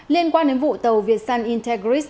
liên quan đến vụ tàu việt san integris